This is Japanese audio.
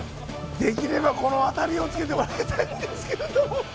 できればこのあたりをつけてもらいたいんですけれども。